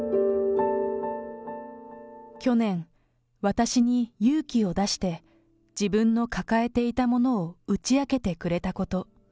去年、私に勇気を出して自分の抱えていたものを打ち明けてくれたこと。